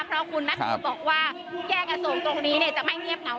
เพราะคุณนัทธวุฒิบอกว่าแยกระสงค์ตรงนี้เนี่ยจะไม่เงี๊ยบเหงา